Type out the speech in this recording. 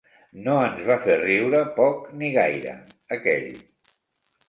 No ens va fer riure poc ni gaire, aquell.